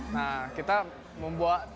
nah kita membuat